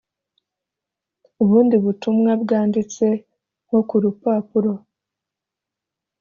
ubundi butumwa bwanditse nko ku rupapuro,